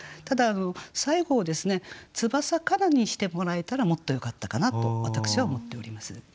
ただ最後をですね「翼かな」にしてもらえたらもっとよかったかなと私は思っております。